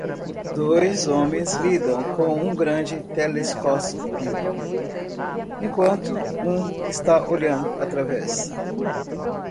Dois homens lidam com um grande telescópio enquanto um está olhando através